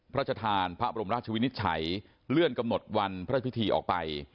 พระชธานพระบรมราชวินิจฉัยเลื่อนกำหนดวันพระพิธีออกไป